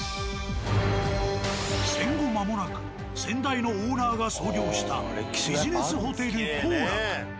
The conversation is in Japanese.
戦後間もなく先代のオーナーが創業した「ビジネスホテル幸楽」。